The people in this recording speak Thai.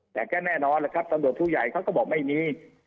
แต่ก็แน่นอนแหละครับตำรวจผู้ใหญ่เขาก็บอกไม่มี